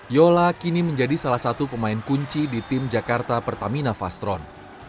yola kini menjadi salah satu pemain kunci di tim jakarta pertamina vastron